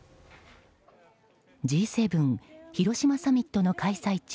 Ｇ７広島サミットの開催地